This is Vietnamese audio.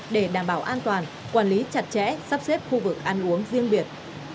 để đảm bảo an toàn quản lý chặt chẽ sắp xếp khu vực ăn uống riêng biệt